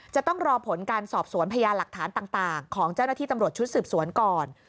จะต้องรอผลการสอบสวนพยานหลักฐานต่างของเจ้าหน้าที่ตำรวจชุดสืบสวนก่อน